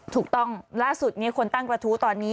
ถูกต้องล่าสุดคนตั้งกระทู้ตอนนี้